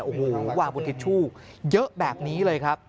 โอ้โหวางบนทิชชู่เยอะแบบนี้เลยครับ